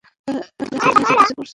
তারা একটা অ্যাম্বুলেন্সের পিছে পড়েছে।